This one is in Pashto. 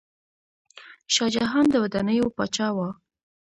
شاه جهان د ودانیو پاچا و.